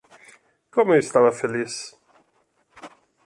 Como eu estava feliz